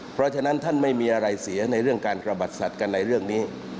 เพราะฉะนั้นท่านไม่มีอะไรเสียในเรื่องการกระบัดสัตว์กันในเรื่องนี้